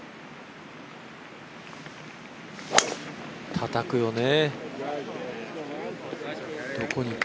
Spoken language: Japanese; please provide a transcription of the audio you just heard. たたくよね。